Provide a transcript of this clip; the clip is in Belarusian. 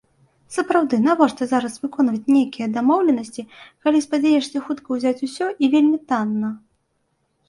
Сапраўды, навошта зараз выконваць нейкія дамоўленасці, калі спадзяешся хутка ўзяць усё і вельмі танна?